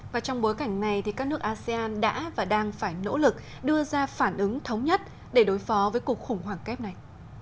và trong bối cảnh này các nước asean đã và đang phải nỗ lực đưa ra phản ứng thống nhất để đối phó với cuộc khủng hoảng kép này